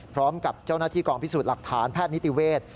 พร้อมกับเจ้าหน้าที่กองพิสูจน์หลักฐานแพทย์นิติเวศ